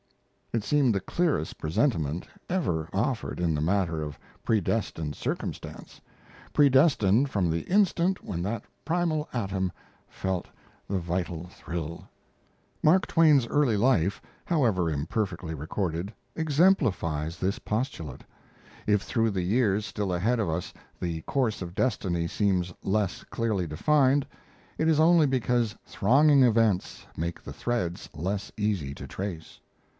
It seemed the clearest presentment ever offered in the matter of predestined circumstance predestined from the instant when that primal atom felt the vital thrill. Mark Twain's early life, however imperfectly recorded, exemplifies this postulate. If through the years still ahead of us the course of destiny seems less clearly defined, it is only because thronging events make the threads less easy to trace.